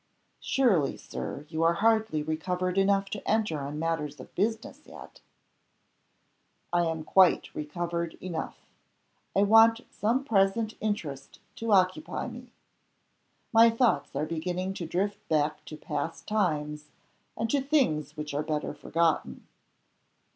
"Surely, Sir, you are hardly recovered enough to enter on matters of business yet?" "I am quite recovered enough. I want some present interest to occupy me. My thoughts are beginning to drift back to past times, and to things which are better forgotten."